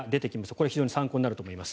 これ非常に参考になると思います。